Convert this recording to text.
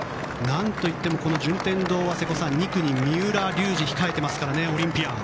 何といっても順天堂は瀬古さん、２区に三浦龍司控えていますからオリンピアン。